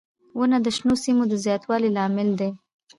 • ونه د شنو سیمو د زیاتوالي لامل دی.